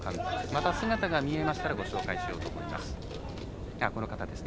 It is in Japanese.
また姿が見えましたらご紹介しようと思います。